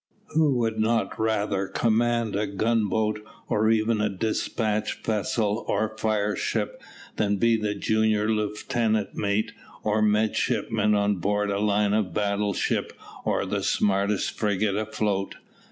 Who would not rather command a gunboat, or even a despatch vessel or fire ship, than be a junior lieutenant, mate, or midshipman on board a line of battle ship or the smartest frigate afloat?